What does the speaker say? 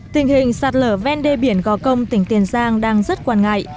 tình hình sạt lở ven đê biển gò công tỉnh tiền giang đang rất quan ngại